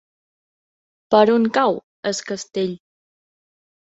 Per on cau Es Castell?